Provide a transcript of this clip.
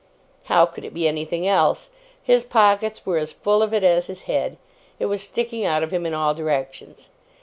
How could it be anything else! His pockets were as full of it as his head. It was sticking out of him in all directions.